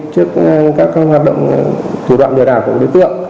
trước các hoạt động thủ đoạn lừa đảo của đối tượng